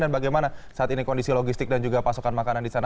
dan bagaimana saat ini kondisi logistik dan juga pasokan makanan di sana